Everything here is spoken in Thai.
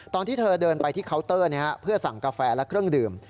ตอนที่เธอเดินไปที่เคาน์เตอร์เพื่อสั่งกาแฟและเครื่องดื่ม